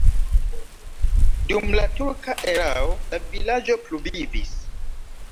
Dum la turka erao la vilaĝo pluvivis.